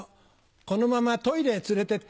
このままトイレへ連れてって。